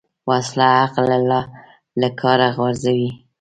وسله عقل له کاره غورځوي